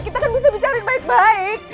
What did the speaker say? kita kan bisa bicari baik baik